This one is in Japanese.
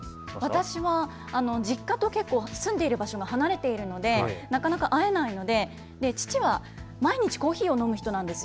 私は実家と結構、住んでいる場所が離れているのでなかなか会えないので父は毎日コーヒーを飲む人なんです。